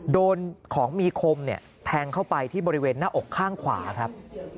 โดนของมีคมเนี่ยแทงเข้าไปที่บริเวณหน้าอกข้างขวาครับ